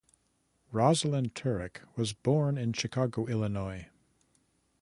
Rosalyn Tureck was born in Chicago, Illinois.